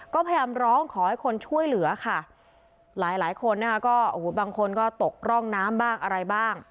ก็พยายามร้องขอให้คนช่วยเหลือค่ะหลายหลายคนนะคะก็โอ้โหบางคนก็ตกร่องน้ำบ้างอะไรบ้าง